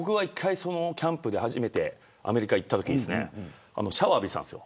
キャンプで初めてアメリカに行ったときシャワーを浴びてたんです。